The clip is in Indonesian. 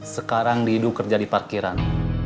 sekarang dihidu kerja di parkiran